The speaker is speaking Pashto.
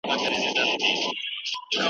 چي پراته دي دا ستا تروم په موږ وژلي .